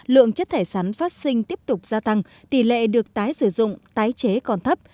lượng chất thải sắn phát sinh tiếp tục gia tăng tỷ lệ được tái sử dụng tái chế còn thấp